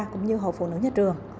cũng như hội phụ nữ nhà trường